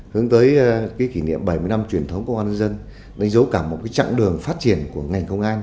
hướng tới kỷ niệm bảy mươi năm truyền thống công an nhân dân đánh dấu cả một chặng đường phát triển của ngành công an